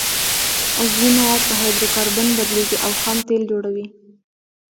عضوي مواد په هایدرو کاربن بدلیږي او خام تیل جوړوي